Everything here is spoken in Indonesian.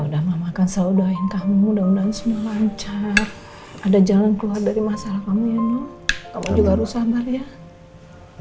ya udah ma ma akan selalu doain kamu semoga moga semua lancar ada jalan keluar dari masalah kamu ya no kamu juga harus sabar ya